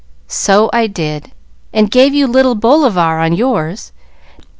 "So I did, and gave you Little Bolivar on yours.